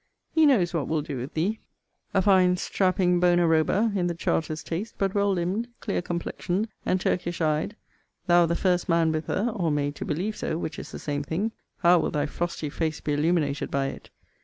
He knows what will do with thee. A fine strapping Bona Roba, in the Charters taste, but well limbed, clear complexioned, and Turkish eyed; thou the first man with her, or made to believe so, which is the same thing; how will thy frosty face be illuminated by it!